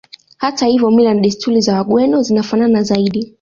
Hata hivyo mila na desturi za Wagweno zinafanana zaidi